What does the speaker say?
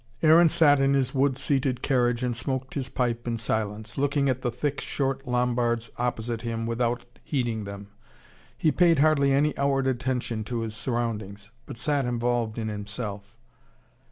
Aaron sat in his wood seated carriage and smoked his pipe in silence, looking at the thick, short Lombards opposite him without heeding them. He paid hardly any outward attention to his surroundings, but sat involved in himself.